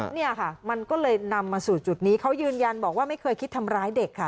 เนี่ยค่ะมันก็เลยนำมาสู่จุดนี้เขายืนยันบอกว่าไม่เคยคิดทำร้ายเด็กค่ะ